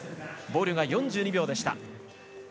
ボリュが４２秒でした。